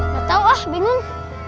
gak tau ah bingung